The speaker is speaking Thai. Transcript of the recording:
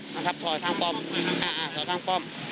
ห่อครับทางท่าร์คกล้อม